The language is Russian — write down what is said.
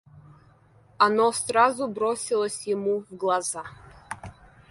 Оно сразу бросилось ему в глаза.